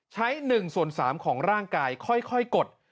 ใช้หนึ่งส่วนสามของร่างกายค่อยกด